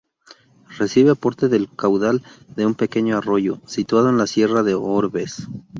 Recibe aporte del caudal de un pequeño arroyo, situado en la sierra de Orbes.